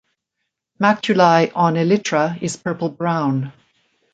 Maculae on elytra is purple brown.